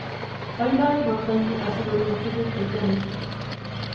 Oldoi bortanyi asikonyor tuguk che kiomei